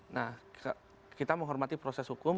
nah kita menghormati proses hukum